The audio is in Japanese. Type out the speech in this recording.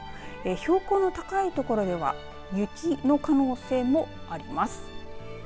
標高の高いところでは雪の可能性もあります。